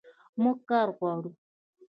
موږ کار غواړو